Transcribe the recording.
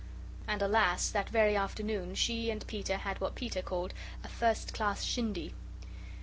And alas, that very afternoon she and Peter had what Peter called a first class shindy.